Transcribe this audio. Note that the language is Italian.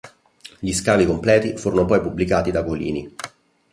Gli scavi completi furono poi pubblicati da Colini.